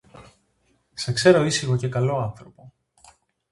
Σε ξέρω ήσυχο και καλό άνθρωπο